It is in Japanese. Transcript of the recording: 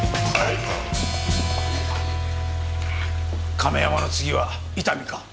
亀山の次は伊丹か！